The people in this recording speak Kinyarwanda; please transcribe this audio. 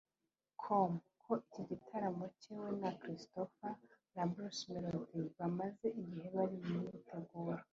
com ko iki gitaramo cye we na Christopher na Bruce Melodie bamaze igihe bari mu myiteguro